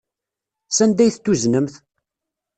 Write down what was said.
Sanda ay t-tuznemt?